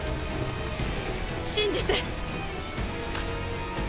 信じて。